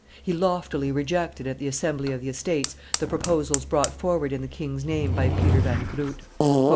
He loftily rejected at the assembly of the Estates the proposals brought forward in the king's name by Peter van Groot.